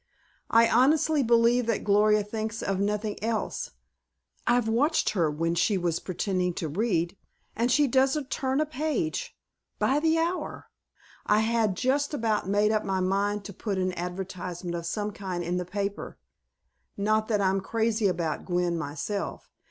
"I honestly believe that Gloria thinks of nothing else. I've watched her when she was pretending to read, and she doesn't turn a page by the hour. I had just about made up my mind to put an advertisement of some kind in the paper. Not that I'm crazy about Gwen myself.